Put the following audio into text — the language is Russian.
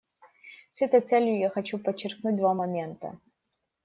С этой целью я хочу подчеркнуть два момента.